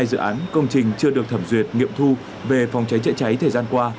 một trăm tám mươi hai dự án công trình chưa được thẩm duyệt nghiệm thu về phòng cháy chữa cháy thời gian qua